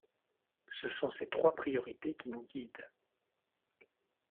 Ce sont ces trois priorités qui nous guident.